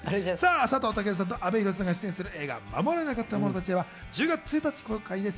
佐藤健さんと阿部寛さんが出演する映画『護られなかった者たちへ』は１０月１日に公開です。